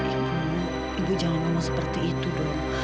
ibu ibu jangan ngomong seperti itu dong